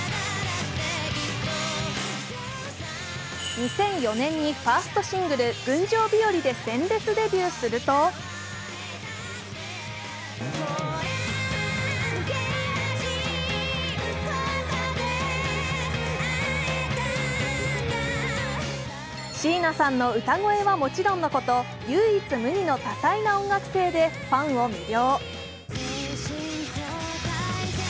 ２００４年にファーストシングル「群青日和」で鮮烈デビューすると椎名さんの歌声はもちろんのこと唯一無二の多彩な音楽性でファンを魅了。